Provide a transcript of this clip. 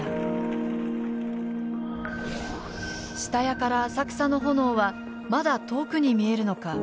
下谷から浅草の炎はまだ遠くに見えるのか